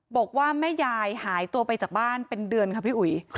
บอกว่าแม่ยายหายตัวไปจากบ้านเป็นเดือนค่ะพี่อุ๋ย